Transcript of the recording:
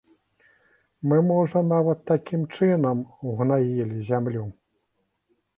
Мы, можа, нават такім чынам ўгнаілі зямлю.